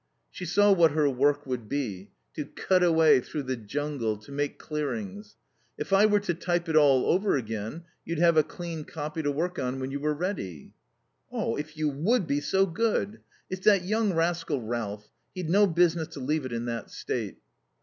She saw what her work would be: to cut a way through the jungle, to make clearings. "If I were to type it all over again, you'd have a clean copy to work on when you were ready." "If you would be so good. It's that young rascal Ralph. He'd no business to leave it in that state."